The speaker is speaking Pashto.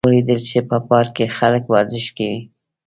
ما ولیدل چې په پارک کې خلک ورزش کوي